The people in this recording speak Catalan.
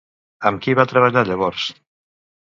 Amb qui va treballar llavors?